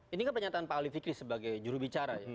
ini kan pernyataan pak ali fikri sebagai jurubicara ya